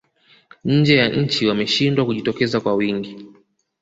nje ya nchi wameshindwa kujitokeza kwa wingi